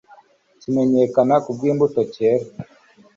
kimenyekana ku bw'imbuto cyera